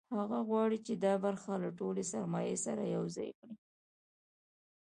هغه غواړي چې دا برخه له ټولې سرمایې سره یوځای کړي